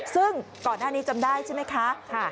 ซึ่งก่อนหน้านี้จำได้ใช่ไหมคะ